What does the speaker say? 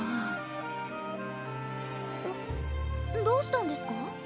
どうしたんですか？